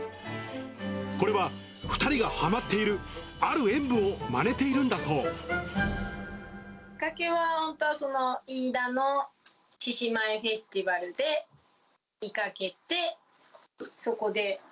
これは２人がはまっている、きっかけは本当は飯田の獅子舞フェスティバルで見かけて、そこで。